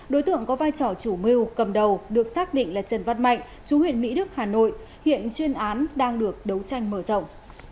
đối tượng có vai trò chủ mưu cầm đầu được xác định là trần văn mạnh chú huyện mỹ đức hà nội hiện chuyên án đang được đấu tranh mở rộng